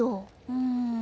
うん。